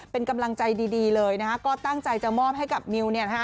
เป็นกำลังใจดีเลยนะฮะก็ตั้งใจจะมอบให้กับมิวเนี่ยนะฮะ